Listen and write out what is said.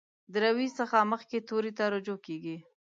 د روي څخه مخکې توري ته رجوع کیږي.